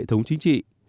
và hệ thống chính trị